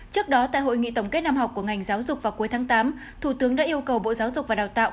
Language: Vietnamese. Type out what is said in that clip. trước đó tại hội nghị tổng kết năm học của ngành giáo dục vào cuối tháng tám thủ tướng đã yêu cầu bộ giáo dục và đào tạo